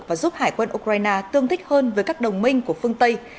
và giúp hải quân ukraine tương thích hơn với các đồng minh của phương tây